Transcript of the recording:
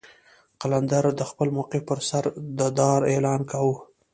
قلندر د خپل موقف پر سر د دار اعلان کاوه.